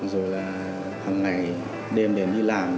rồi là hằng ngày đêm đến đi làm